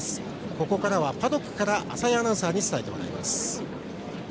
ここからはパドックから浅井アナウンサーに伝えてもらいます。